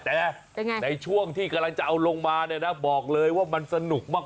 แต่ในช่วงที่กำลังจะเอาลงมาเนี่ยนะบอกเลยว่ามันสนุกมาก